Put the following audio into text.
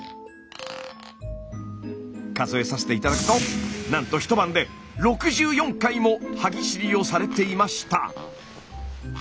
数えさせて頂くとなんと一晩で６４回も歯ぎしりをされていました。